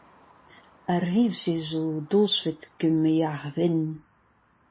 Ar vioù-se a zo dozvet gant ma yar wenn.